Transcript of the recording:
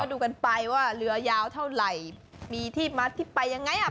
ดูกันไปว่าเรือยาวเท่าไหร่มีที่มาที่ไปยังไงอ่ะ